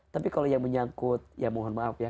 tapi kalau yang menyangkut ya mohon maaf ya